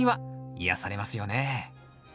癒やされますよね。